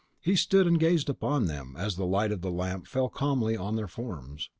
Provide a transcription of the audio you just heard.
He stood and gazed upon them as the light of the lamp fell calmly on their forms.